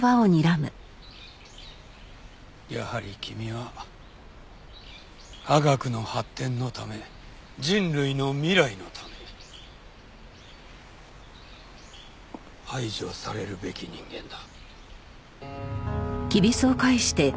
やはり君は科学の発展のため人類の未来のため排除されるべき人間だ。